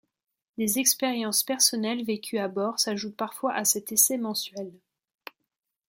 Des expériences personnelles vécues à bord s’ajoutent parfois à cet essai mensuel.